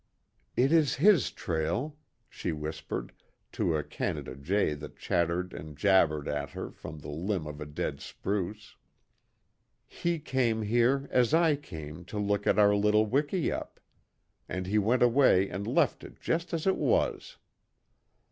"It is his trail," she whispered, to a Canada jay that chattered and jabbered at her from the limb of a dead spruce. "He came here, as I came, to look at our little wikiup. And he went away and left it just as it was."